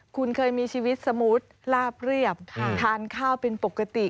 คุณเคยมีชีวิตสมูทลาบเรียบทานข้าวเป็นปกติ